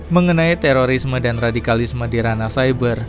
mengenai terorisme dan radikalisme di ranah cyber